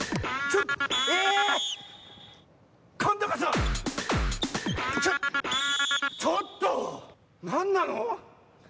ちょっとなんなの？